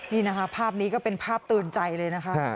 นี่นะคะภาพนี้ก็เป็นภาพตื่นใจเลยนะคะ